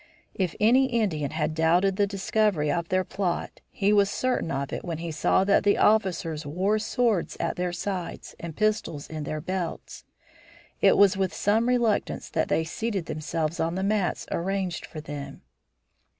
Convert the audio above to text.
If any Indian had doubted the discovery of their plot, he was certain of it when he saw that the officers wore swords at their sides and pistols in their belts. It was with some reluctance that they seated themselves on the mats arranged for them.